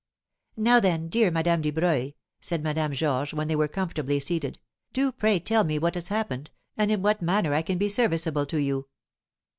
"Now, then, dear Madame Dubreuil," said Madame Georges, when they were comfortably seated, "do pray tell me what has happened, and in what manner I can be serviceable to you."